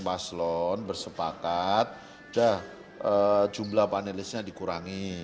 paslon bersepakat sudah jumlah panelisnya dikurangi